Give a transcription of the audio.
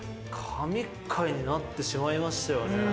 神回になってしまいましたよね。